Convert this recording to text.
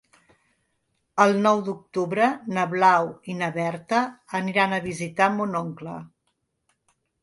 El nou d'octubre na Blau i na Berta aniran a visitar mon oncle.